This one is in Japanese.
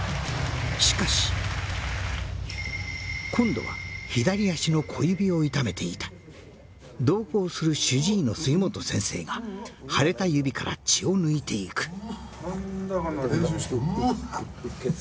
しかし今度は左足の小指を痛めていた同行する主治医の杉本先生が腫れた指から血を抜いていく